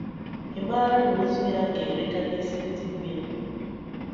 Ị mara na ozu ya ga-ereka n'isi ndị bu ya